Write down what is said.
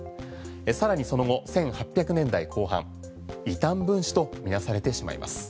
更にその後１８００年代後半異端分子と見なされてしまいます。